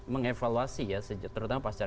mengevaluasi ya sejak terdampak secara